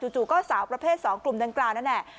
จู่ก็สาวประเภท๒กลุ่มดังกล่าวนั่นแหละ